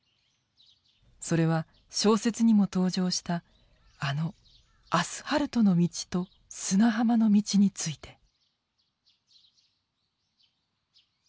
それは小説にも登場したあの「アスハルトの道と砂浜の道」について。